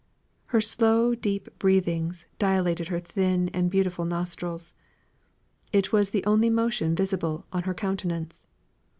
Her slow deep breathings dilated her chin and beautiful nostrils; it was the only motion visible on her countenance.